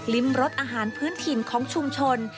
ริมรสอาหารพื้นถิ่นของชุมชน